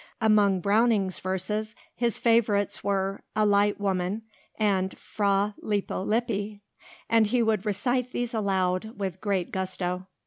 Among Browning's verses his favourites were "A Light Woman" and "Fra Lippo Lippi," and he would recite these aloud with great gusto.